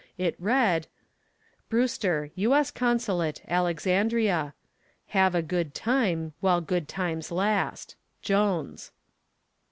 It read: "BREWSTER, U.S. CONSULATE, ALEXANDRIA. "Have a good time while good times last. "JONES."